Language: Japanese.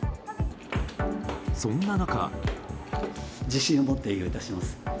そんな中。